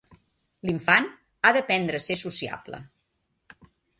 L'infant ha d'aprendre a ser sociable.